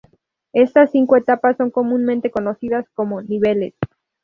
Estas cinco etapas son comúnmente conocidas como "niveles".